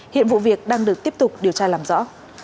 hiện vụ việc đang được tiếp tục điều tra làm rõ